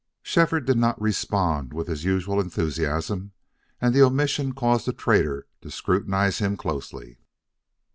Shefford did not respond with his usual enthusiasm, and the omission caused the trader to scrutinize him closely.